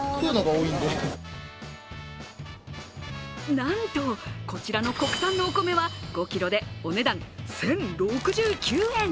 なんとこちらの国産のお米は５ｋｇでお値段１０６９円。